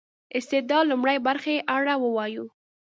استدلال لومړۍ برخې اړه ووايو.